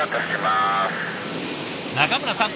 中村さん